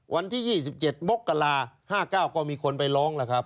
วันที่๒๗มกรา๕๙ก็มีคนไปร้องแล้วครับ